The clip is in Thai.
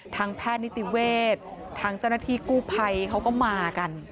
ทางแพทย์นิติเวศทางเจ้าหน้าที่กู้ภัยเขาก็มากัน